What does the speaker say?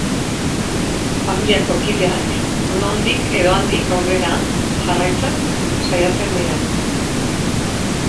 Familiako kideak nondik edo handik aurrera jarraitzen saiatzen dira.